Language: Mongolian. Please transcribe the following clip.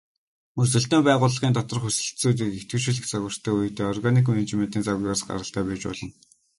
Өрсөлдөөн байгууллын доторх хэлтсүүдийг идэвхжүүлэх загвартай үедээ органик менежментийн загвараас гаралтай байж болно.